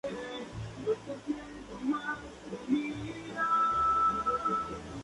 Las empresas que entraron al mercado participan de un proceso de competencia de Bertrand.